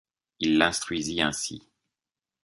Il l'instruisit ainsi.